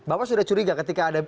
bapak sudah curiga ketika ada